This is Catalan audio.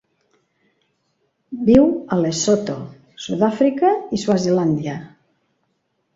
Viu a Lesotho, Sud-àfrica i Swazilàndia.